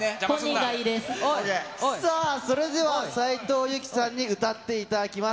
さあ、それでは斉藤由貴さんに歌っていただきます。